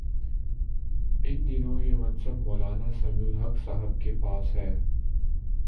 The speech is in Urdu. ان دنوں یہ منصب مو لانا سمیع الحق صاحب کے پاس ہے۔